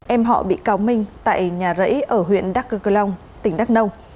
em họ bị cáo minh tại nhà rẫy ở huyện đắk cơ cơ long tỉnh đắk nông